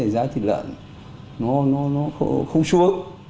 vấn đề giá thịt lợn nó không xuống